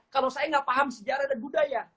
kalau saya nggak paham sejarah dan budaya